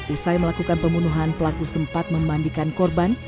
usai melakukan pembunuhan pelaku sempat memandikan korban